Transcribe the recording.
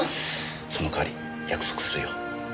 そのかわり約束するよ。